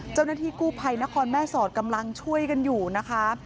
เจ้าหน้าที่กู้ภัยนครแม่สอดกำลังช่วยกันอยู่นะคะ